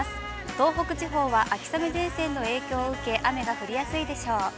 東北地方は秋雨前線の影響を受け、雨が降りやすいでしょう。